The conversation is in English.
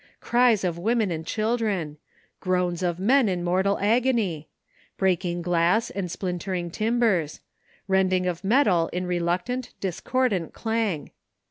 Cries of women and children! Groans of men in mortal agony; breaking glass and splintering timbers; rending of metal in re luctant, discordant clang!